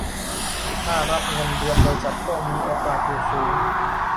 ถ้ารับเงินเดือนบริษัทก็มีโอกาสอยู่สูง